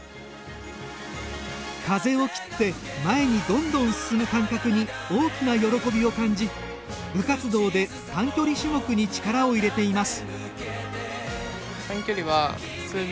風を切って前にどんどん進む感覚に大きな喜びを感じ、部活動で短距離種目に力を入れています。